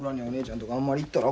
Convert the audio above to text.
お姉ちゃんとこや。